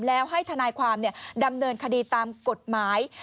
แล้วให้ทนายความดำเนินคดีตามกฎหมาย